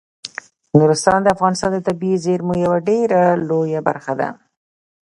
نورستان د افغانستان د طبیعي زیرمو یوه ډیره لویه برخه ده.